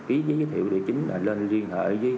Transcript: ý giới thiệu địa chính là lên liên hệ với